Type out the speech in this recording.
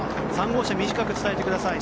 ３号車、短く伝えてください。